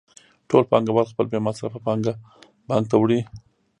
ټول پانګوال خپله بې مصرفه پانګه بانک ته وړي